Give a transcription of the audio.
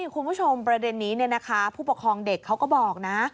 คุณผู้ชมประเด็นนี้ผู้ปกครองเด็กเขาก็บอกนะ